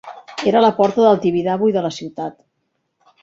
Era la porta del Tibidabo i de la ciutat.